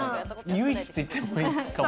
唯一といってもいいかも。